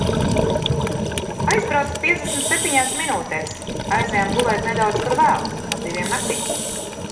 Aizbraucu piecdesmit septiņās minūtēs. Aizejam gulēt nedaudz par vēlu - ap diviem naktī.